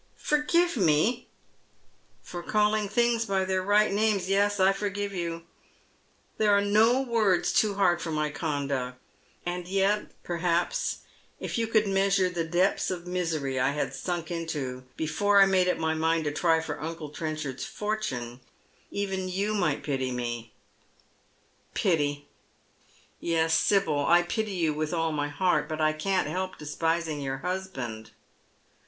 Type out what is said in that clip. Forgive me "" For calling things by their right names— yes, I forgive yotu There are no words too hard for my conduct ; and yet, perhaps, if you could measure the depth of misery I had sunk into before I made up my mind to try for uncle Trenchard's fortune, even you might pity me." " Pity ! Yes, Sibyl, I pity you with all my heart ; but I can't help despising your husband."